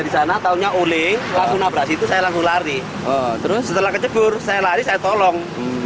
setelah kejebur saya lari saya tolong